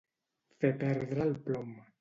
Fer perdre el plom.